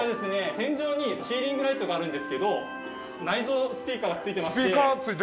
天井にシーリングライトがあるんですけど内蔵スピーカーがついてまして。